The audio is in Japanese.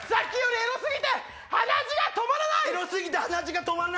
エロ過ぎて鼻血が止まんない？